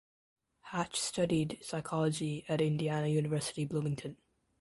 Hatch studied psychology at Indiana University Bloomington.